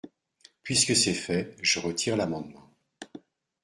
Puisque c’est fait, je retire l’amendement.